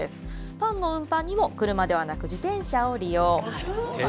パンの運搬にも車ではなく自転車を利用。